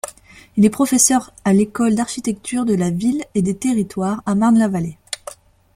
Il est professeur à l'École d'architecture de la ville et des territoires à Marne-la-Vallée.